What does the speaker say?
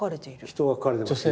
人が描かれてますね。